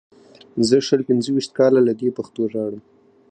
زه شل پنځه ویشت کاله له دې پښتو ژاړم.